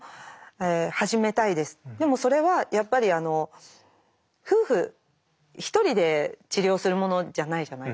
でもそれはやっぱり夫婦一人で治療するものじゃないじゃないですか。